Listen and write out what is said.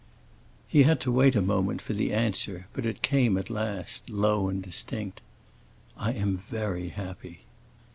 He had to wait a moment for the answer; but it came at last, low yet distinct: "I am very happy."